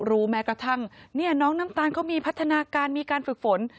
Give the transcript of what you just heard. แม้กระทั่งน้องน้ำตาลเขามีพัฒนาการมีการฝึกฝน